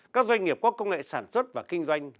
các doanh nghiệp có công nghệ sản xuất và kinh doanh lạc hậu